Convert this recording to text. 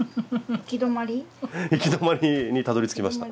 行き止まりにたどりつきました。